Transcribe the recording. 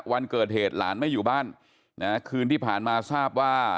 วันเกิดเหตุหลานไม่อยู่บ้านคืนที่ผ่านมาทราบว่า